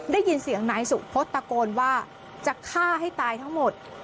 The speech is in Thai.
ได้ยินเสียงนายสุพศตะโกนว่าจะฆ่าให้ตายทั้งหมด